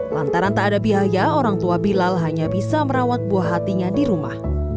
lantaran tak ada biaya orang tua bilal hanya bisa merawat buah hatinya di rumah